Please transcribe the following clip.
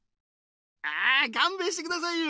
あかんべんしてくださいよ。